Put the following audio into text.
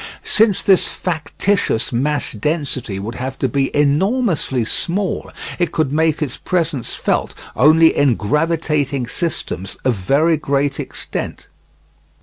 Since this factitious mass density would have to be enormously small, it could make its presence felt only in gravitating systems of very great extent.